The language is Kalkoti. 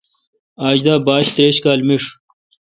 آج دا باش تریش کال میݭ